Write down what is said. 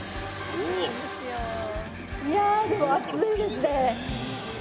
いやぁでも暑いですね。